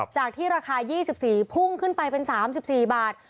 จากที่ราคา๒๔พุ่งขึ้นไปเป็น๓๔บาท